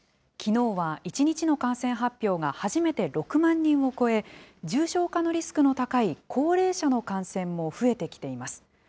きのうは１日の感染発表が初めて６万人を超え、重症化のリスクの高い高齢者の感染も増えてきています。